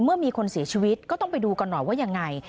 เมื่อมีคนเสียชีวิตก็ต้องไปดูกันหน่อยว่ายังไง